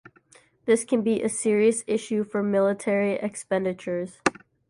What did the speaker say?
This can be a serious issue for military expenditures.